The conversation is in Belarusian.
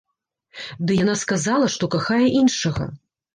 Ды яна сказала, што кахае іншага.